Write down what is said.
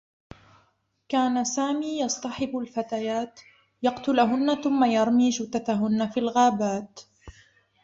كان سامي يصطحب الفتيات، يقتلهنّ ثمّ يرمي جثثهنّ في الغابات.